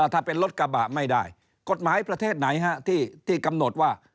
ถ้าเป็นรถกระบะไม่ได้กฎหมายประเทศไหนที่กำหนดว่า